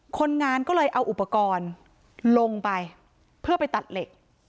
คนงานก็เลยเอาอุปกรณ์ลงไปเพื่อไปตัดเหล็ก